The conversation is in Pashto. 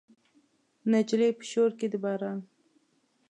نجلۍ په شور کې د باران